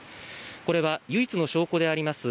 これは唯一の証拠であります